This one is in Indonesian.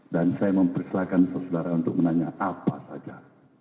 dan saya mempersilahkan sesudara untuk menanya apa saja